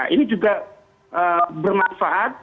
ini juga bermanfaat